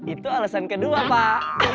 itu alasan kedua pak